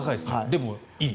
でも、いい。